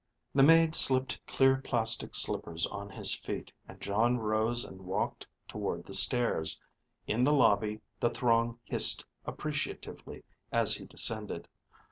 The maid slipped clear plastic slippers on his feet, and Jon rose and walked toward the stairs. In the lobby, the throng hissed appreciatively as he descended.